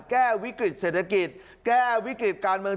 แก้วิกฤติเศรษฐกิจแก้วิกฤติการเมือง